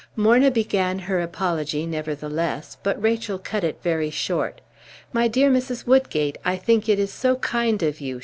Morna began her apology, nevertheless; but Rachel cut it very short. "My dear Mrs. Woodgate, I think it is so kind of you!"